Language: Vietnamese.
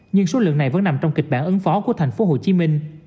nhưng số lượng này vẫn nằm trong kịch bản ứng phó của tp hcm